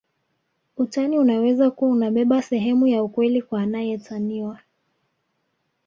Utani unaweza kuwa unabeba sehemu ya ukweli kwa anaetaniwa